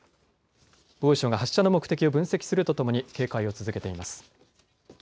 防衛省が発射の目的を分析するとともに警戒を続けています。